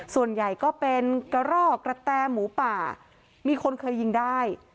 ส่วนใหญ่ก็เป็นกระรอกกระแตหมูป่ามีคนเคยยิงได้